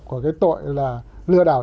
của cái tội là lừa đảo